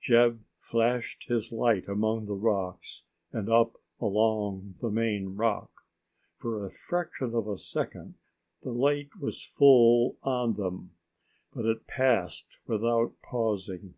Jeb flashed his light among the rocks and up along the main rock. For a fraction of a second the light was full on them. But it passed by without pausing.